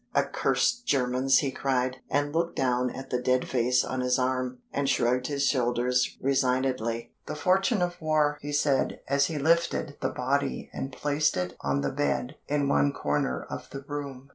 "Accursed Germans!" he cried, and looked down at the dead face on his arm, and shrugged his shoulders resignedly. "The fortune of war!" he said as he lifted the body and placed it on the bed in one corner of the room.